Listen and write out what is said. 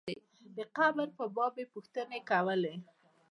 د قبر په باب یې پوښتنې کولې.